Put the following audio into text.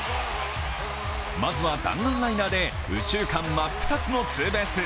まずは弾丸ライナーで右中間真っ二つのツーベース。